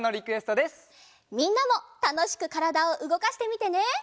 みんなもたのしくからだをうごかしてみてね！